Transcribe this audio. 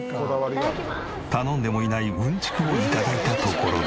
頼んでもいないうんちくを頂いたところで。